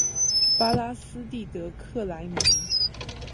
拉巴斯蒂德克莱蒙。